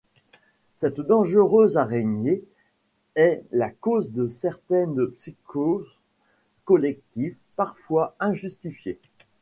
Cette dangereuse araignée est la cause de certaines psychoses collectives, parfois injustifiées.